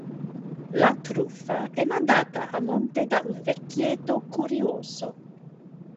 La truffa è mandata a monte da un vecchietto curioso.